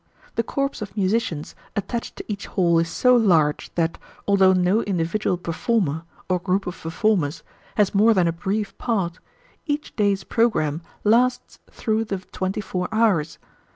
The corps of musicians attached to each hall is so large that, although no individual performer, or group of performers, has more than a brief part, each day's programme lasts through the twenty four hours.